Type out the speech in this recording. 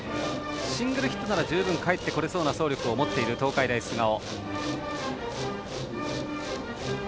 シングルヒットなら十分かえってこれそうな走力を持っている東海大菅生。